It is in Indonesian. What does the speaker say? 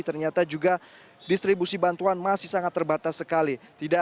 ternyata juga distribusi bantuan masih sangat terbatas sekali